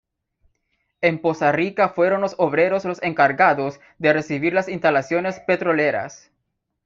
En Poza Rica fueron los obreros los encargados de recibir las instalaciones petroleras.